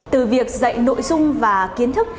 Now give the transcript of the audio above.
từ việc dạy nội dung và kiến thức